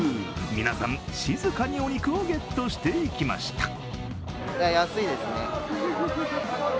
皆さん、静かにお肉をゲットしていきました。